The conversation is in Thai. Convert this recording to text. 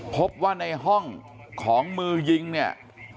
พบว่าในห้องของมือยิงเนี่ย